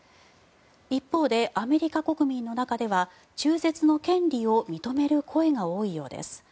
一方でアメリカ国民の中では中絶の権利を認める声が多いようです。